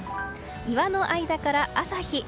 岩の間から朝日。